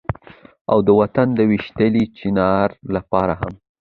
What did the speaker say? او د وطن د ويشتلي چينار لپاره هم